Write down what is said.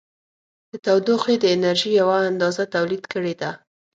د تودوخې د انرژي یوه اندازه تولید کړې ده.